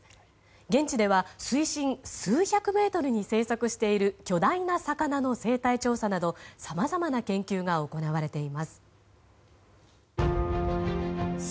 現地では水深数百メートルに生息している巨大な魚の生態調査などさまざまな研究が行われています。